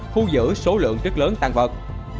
thu giữ số lượng rất lớn tàn vật